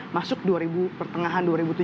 masuk pertengahan dua ribu tujuh belas